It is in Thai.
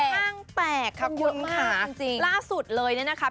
ห้างแตกห้างเยอะมากจริงค่ะคุณค่ะล่าสุดเลยนะครับ